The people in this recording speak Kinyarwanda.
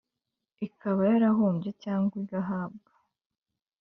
Ikaba yarahombye cyangwa igahabwa